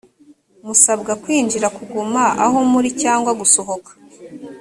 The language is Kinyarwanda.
musabwa kwinjira kuguma aho muri cyangwa gusohoka